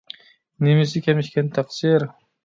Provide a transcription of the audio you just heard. نېمىسى كەم ئىكەن تەقسىر؟